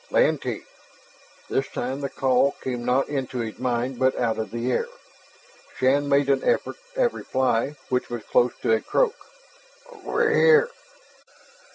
"Lantee!" This time the call came not into his mind but out of the air. Shann made an effort at reply which was close to a croak. "Over here!"